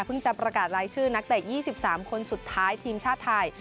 จะประกาศรายชื่อนักเตะ๒๓คนสุดท้ายทีมชาติไทย